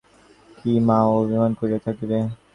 ছেলে অভিমান করিয়া আছে বলিয়া কি মাও অভিমান করিয়া থাকিবে।